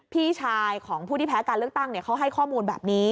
พี่ชายของผู้ที่แพ้การเลือกตั้งเขาให้ข้อมูลแบบนี้